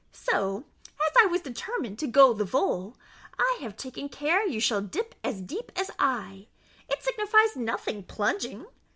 So, as I was determined to go the vole, I have taken care you shall dip as deep as I; it signifies nothing plunging.